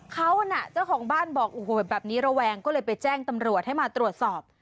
เขาน่ะเจ้าของบ้านบอกโอ้โหแบบนี้ระแวงก็เลยไปแจ้งตำรวจให้มาตรวจสอบ